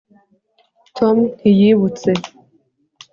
tom ntiyibutse